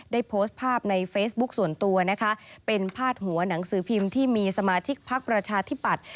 ได้โพสต์ภาพในเฟซบุ๊คส่วนตัวนะคะเป็นพาดหัวหนังสือพิมพ์ที่มีสมาชิกพักประชาธิปัตย